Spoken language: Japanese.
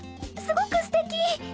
すごくすてき！